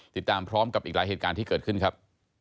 ติดตามพร้อมกับอีกหลายเหตุการณ์ที่เกิดขึ้นครับ